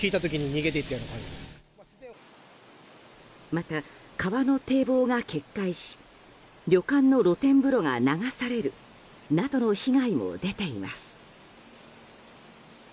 また、川の堤防が決壊し旅館の露天風呂が流されるなどの被害も出ています。